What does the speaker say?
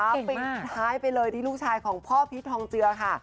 ก็ปิดท้ายไปเลยที่ลูกชายของพ่อพีชทองเจือค่ะ